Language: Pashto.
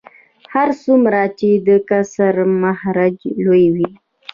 هر څومره چې د کسر مخرج لوی وي